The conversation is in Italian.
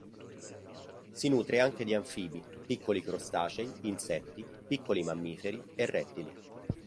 Si nutre anche di anfibi, piccoli crostacei, insetti, piccoli mammiferi e rettili.